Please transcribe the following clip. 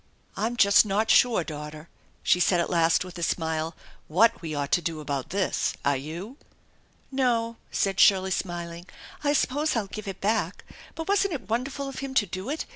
I'm not just sure, daughter/' she said at last with a smile, " what we ought to do about this. Are you? "" No," said Shirley, smiling ;" I suppose I'll give it beck, /but wasn't it wonderful of him to do it?